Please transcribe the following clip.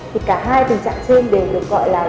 thì cả hai tình trạng trên đều được gọi là